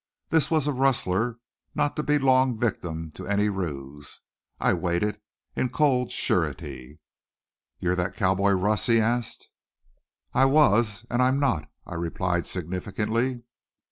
This was a rustler not to be long victim to any ruse. I waited in cold surety. "You thet cowboy, Russ?" he asked. "I was and I'm not!" I replied significantly.